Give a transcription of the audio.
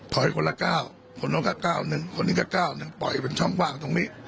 ถอยคนละก้าวคนน้องก็ก้าวนึงคนอื่นก็ก้าวนึงปล่อยเป็นช่องว่างตรงนี้